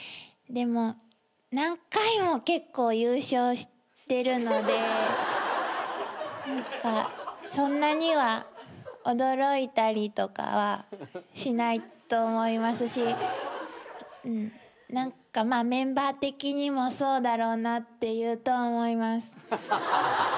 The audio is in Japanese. でも何回も結構優勝してるので何かそんなには驚いたりとかはしないと思いますし何かメンバー的にもそうだろうなって言うと思います。